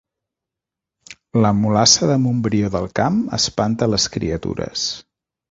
La mulassa de Montbrió del Camp espanta les criatures